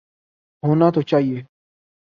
ہونا تو چاہیے۔